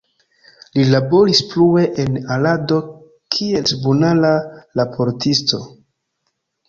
Li laboris plue en Arado kiel tribunala raportisto.